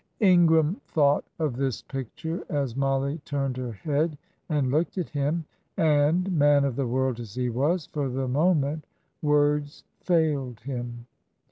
Ingram thought of this picture as Mollie turned her head and looked at him, and, man of the world as he was, for the moment words failed him.